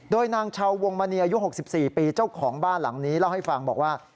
โดยนางชาววงมณีอายุ๖๔ปีเจ้าของบ้านหลังนี้เล่าให้ฟังบอกว่า